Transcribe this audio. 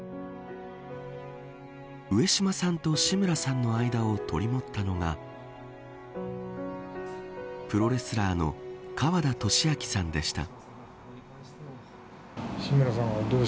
上島さんと志村さんの間を取り持ったのがプロレスラーの川田利明さんでした。